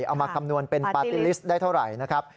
เอามาคำนวณเป็นปาร์ตี้ลิสต์ได้เท่าไหร่นะครับ